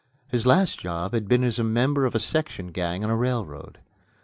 His last job had been as a member of a section gang on a railroad.